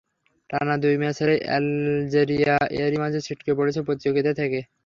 টানা দুই ম্যাচ হেরে আলজেরিয়া এরই মাঝে ছিটকে পড়েছে প্রতিযোগিতা থেকে।